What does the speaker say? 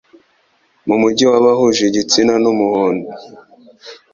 Mu mujyi w'abahuje igitsina n'umuhondo